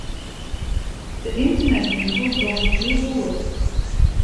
De ynternetwinkels dogge it heel goed.